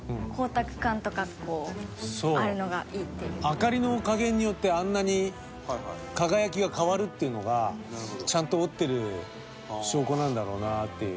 明かりの加減によってあんなに輝きが変わるっていうのがちゃんと織ってる証拠なんだろうなっていう。